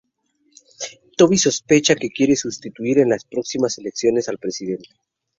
Toby sospecha que quiere sustituir en las próximas elecciones al presidente.